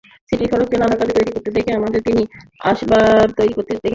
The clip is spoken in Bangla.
স্মৃতিফলকটি অনেককে নানা কাজে ব্যবহার করতে দেখে তিনিও আসবাব তৈরির কাজ করছেন।